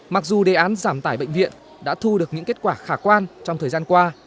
mặc dù đề án giảm tải bệnh viện đã thu được những kết quả khả quan trong thời gian qua